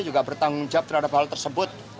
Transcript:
juga bertanggung jawab terhadap hal tersebut